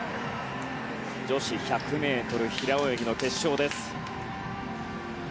女子１００ｍ平泳ぎの決勝です。